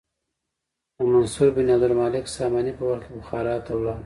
د منصور بن عبدالمالک ساماني په وخت کې بخارا ته لاړ.